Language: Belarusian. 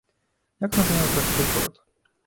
Як называецца гэты горад?